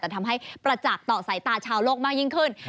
แต่ทำให้ประจักษ์ต่อสายตาชาวโลกมากยิ่งขึ้น